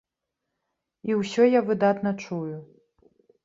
І ўсё я выдатна чую.